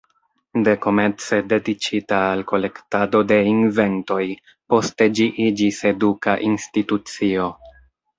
Dekomence dediĉita al kolektado de inventoj, poste ĝi iĝis eduka institucio.